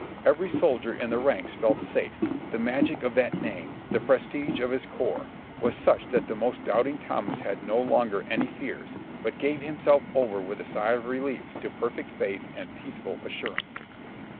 Every soldier in the ranks felt safe; the magic of that name, the prestige of his corps, was such that the most doubting Thomas had no longer any fears, but gave himself over with a sigh of relief to perfect faith and peaceful assurance.